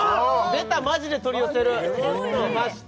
出たマジで取り寄せる出ました